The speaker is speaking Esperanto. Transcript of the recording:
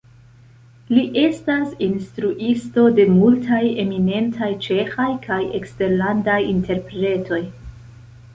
Li estas instruisto de multaj eminentaj ĉeĥaj kaj eksterlandaj interpretoj.